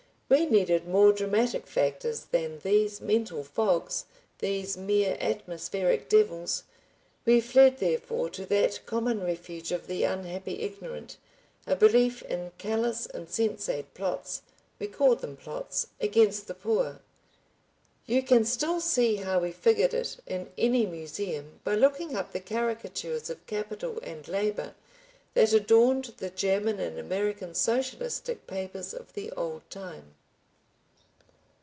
We needed more dramatic factors than these mental fogs, these mere atmospheric devils. We fled therefore to that common refuge of the unhappy ignorant, a belief in callous insensate plots—we called them "plots"—against the poor. You can still see how we figured it in any museum by looking up the caricatures of capital and labor that adorned the German and American socialistic papers of the old time.